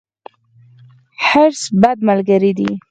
حرص، بد ملګری دی.